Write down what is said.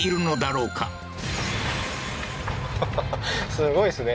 すごいですね